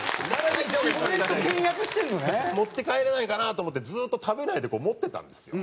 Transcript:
持って帰れないかなと思ってずっと食べないでこう持ってたんですよ。